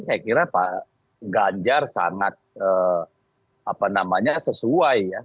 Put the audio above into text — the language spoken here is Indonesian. saya kira pak ganjar sangat sesuai ya